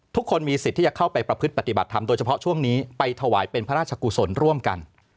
ทุกคนมีสิทธิ์ที่จะเข้าไปประพฤติปฏิบัติธรรมโดยเฉพาะช่วงนี้ไปถวายเป็นพระราชกุศลร่วมกัน